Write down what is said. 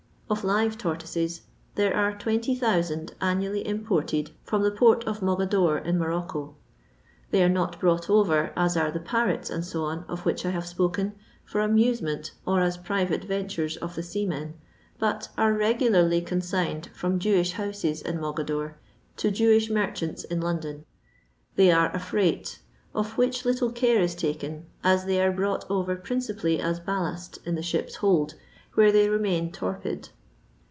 Of live tortoises, there are 20,000 annually im ported from the port of Mogadore in Morocco. They are not brought over, as are the parrots, &c., of which I have spoken, for amusement or as pri vate ventures of the seamen, but are regularly consigned firom Jewish houses in Mogadore, to Jewish merchants in London. They are a freight of which little care is taken, as they are brought over principally as ballast in the ship's hold, where they remain torpid.